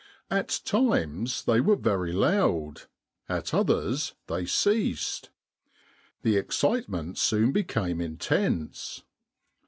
At times they were very loud ; at others they ceased. The excitement soon became intense.